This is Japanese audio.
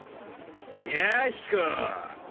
・弥彦。